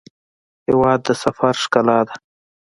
هېواد د سفر ښکلا ده.